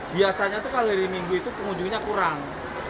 biasanya tuh kalau hari minggu itu pengunjungnya kurang